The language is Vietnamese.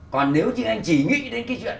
còn nếu như anh chỉ nghĩ đến cái chuyện